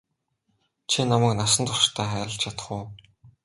Чи намайг насан туршдаа хайрлаж чадах уу?